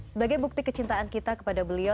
sebagai bukti kecintaan kita kepada beliau